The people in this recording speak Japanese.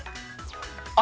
「あ」。